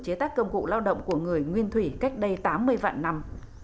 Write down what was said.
chế tác công cụ lao động của người nguyên thủy cách đây tám mươi vạn năm